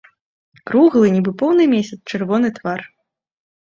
Круглы, нібы поўны месяц, чырвоны твар.